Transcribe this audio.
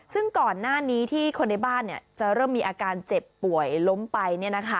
ซึ่งก่อนหน้านี้ที่คนในบ้านจะเริ่มมีอาการเจ็บป่วยล้มไป